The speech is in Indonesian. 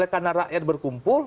karena rakyat berkumpul